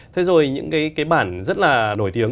thế rồi những cái bản rất là nổi tiếng